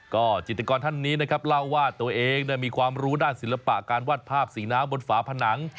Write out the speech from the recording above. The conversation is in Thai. ก็จิตกรท่านนี้นะครับเล่าว่าตัวเองมีความรู้ด้านศิลปะการวาดภาพสีน้ำบนฝาผนัง